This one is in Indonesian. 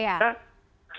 dari masyarakat itu